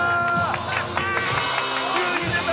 急に出た！